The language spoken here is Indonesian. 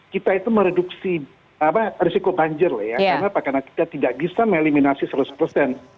kita itu mereduksi risiko banjir ya karena kita tidak bisa mengeliminasi seratus persen